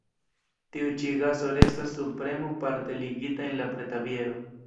Tiu ĉi gaso restas sub premo parte ligita en la preta biero.